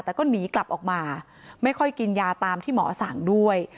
แต่ก็หนีกลับออกมาไม่ค่อยกินยาตามที่หมอสั่งด้วย